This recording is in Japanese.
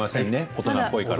大人っぽいから。